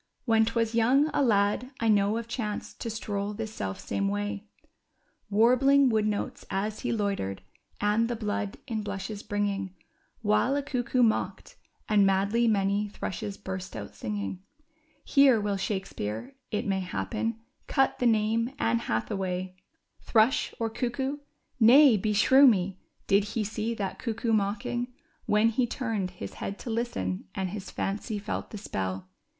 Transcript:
When 'twas young, a lad I know of chanced to stroll this self same way ; Warbling wood notes as he loitered, and, the blood in blushes bringing — AVhile a cuckoo mocked, and madly many thrushes burst out singing — Here Will Shakespeare, it may happen, cut the name "Anne Hathaway." WOODS OF WARWICK. m Thrush, or cuckoo ? Nay, beshrew me! did he see that cuckoo mocking When he turned his head to listen and his fancy felt the spell